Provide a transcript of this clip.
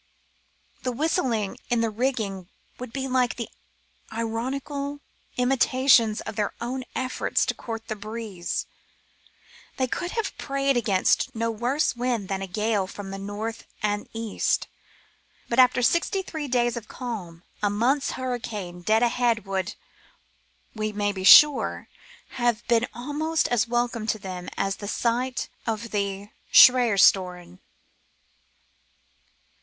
The whistling in the rigging would be like ironical imitations of their own efforts to court the breeze. They could have prayed against no worse wind than a gale from the north and east ; but after sixty three days of calm a month's hurricane dead ahead would, we may be sure, have been almost as welcome to them as the sight of the Schreyerstoren.